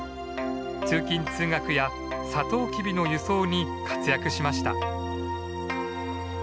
通勤通学やサトウキビの輸送に活躍しました。